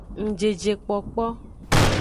Ngjejekpokpo.